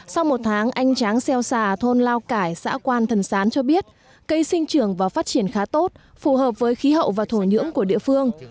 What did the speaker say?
sau một tháng anh tráng xeo xà thôn lao cải xã quan thần sán cho biết cây sinh trưởng và phát triển khá tốt phù hợp với khí hậu và thổ nhưỡng của địa phương